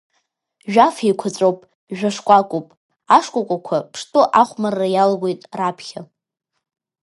Жәаф еиқәаҵәоуп, жәа шкәакәоуп, ашкәакәақәа ԥштәы ахәмарра иалагоит раԥхьа.